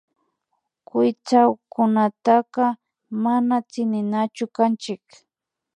Kuytsakunataka mana tsininachu kanchik